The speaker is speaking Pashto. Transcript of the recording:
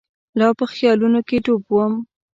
لا په خیالونو کې ډوب وم.